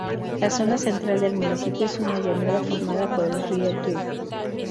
La zona central del municipio es una llanura formada por el río Tuy.